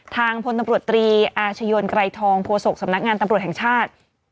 พลตำรวจตรีอาชญนไกรทองโฆษกสำนักงานตำรวจแห่งชาติ